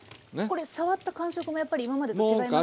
これ触った感触もやっぱり今までと違いますか？